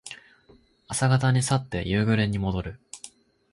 朝方に去って夕暮れにもどる。